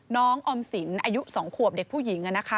น้องออมสินอายุ๒ขวบเด็กผู้หญิง